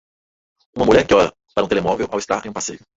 Uma mulher que olha um telemóvel ao estar em um passeio.